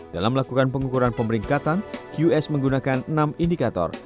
dalam melakukan pengukuran pemeringkatan qs menggunakan enam indikator